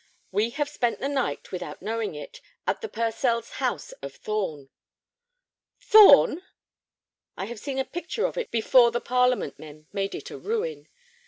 We have spent the night, without knowing it, at the Purcells's house of Thorn." "Thorn!" "I have seen a picture of it before the Parliament men made it a ruin.